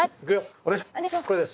お願いします。